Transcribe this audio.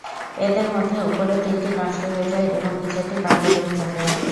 এদের মধ্যে ওপরের তিনটি নষ্ট হয়ে যায় এবং নিচেরটি কার্যকরী থাকে।